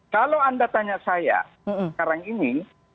kalau anda tanya saya sekarang ini